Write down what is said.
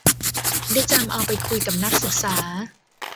ได้จำเอาไปคุยกับนักศึกษา